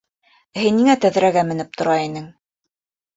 Ә һин ниңә тәҙрәгә менеп тора инең?